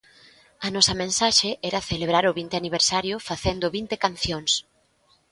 A nosa mensaxe era celebrar o vinte aniversario facendo vinte cancións.